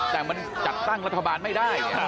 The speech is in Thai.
แต่มันจัดตั้งรัฐบาลไม่ได้